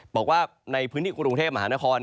บอกว่าในพื้นที่กรุงเทพมหานคร